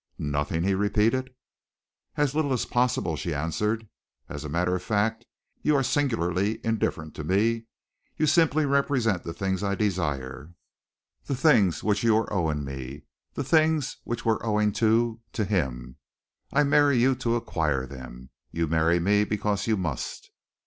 "Nothing?" he repeated. "As little as possible," she answered. "As a matter of fact, you are singularly indifferent to me. You simply represent the things I desire, the things which are owing to me, the things which were owing to to him. I marry you to acquire them. You marry me because you must."